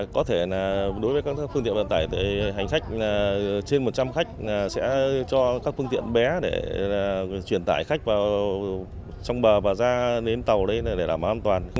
có thể đối với các phương tiện vận tải hành khách trên một trăm linh khách sẽ cho các phương tiện bé để chuyển tải khách vào trong bờ và ra đến tàu để làm an toàn